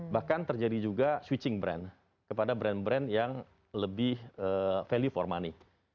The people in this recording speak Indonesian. bahkan terjadi juga switching brand kepada brand brand yang lebih value for money